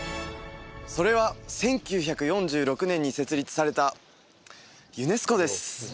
それは１９４６年に設立されたＵＮＥＳＣＯです